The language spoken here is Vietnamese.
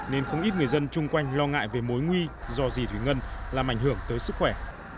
nên không ít người dân chung quanh lo ngại về mối nguy do gì thủy ngân làm ảnh hưởng tới sức khỏe